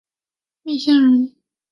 密县人。